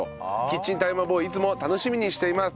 キッチンタイマーボーイいつも楽しみにしています。